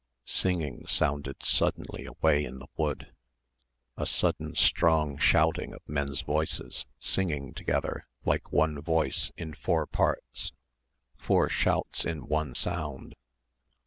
Singing sounded suddenly away in the wood; a sudden strong shouting of men's voices singing together like one voice in four parts, four shouts in one sound.